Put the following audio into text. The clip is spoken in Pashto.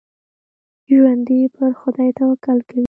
ژوندي پر خدای توکل کوي